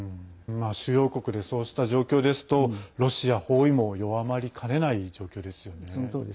主要国で、そうした状況ですとロシア包囲網弱まりかねない状況ですよね。